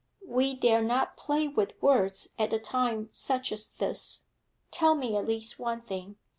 We dare not play with words at a time such as this. Tell me at least one thing.